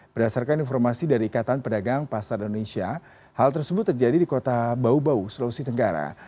berdasarkan informasi dari ikatan pedagang pasar indonesia hal tersebut terjadi di kota bau bau sulawesi tenggara